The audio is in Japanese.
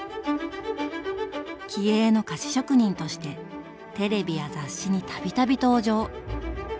気鋭の菓子職人としてテレビや雑誌に度々登場。